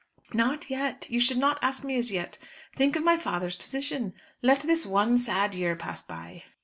"Not yet. You should not ask me as yet. Think of my father's position. Let this one sad year pass by."